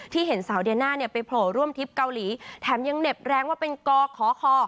เห็นสาวเดียน่าเนี่ยไปโผล่ร่วมทริปเกาหลีแถมยังเหน็บแรงว่าเป็นกขอคอคอ